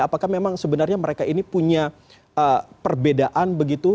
apakah memang sebenarnya mereka ini punya perbedaan begitu